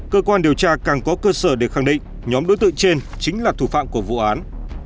cơ quan điều tra càng có cơ sở để khẳng định nhóm đối tượng trên chính là thủ phạm của vụ án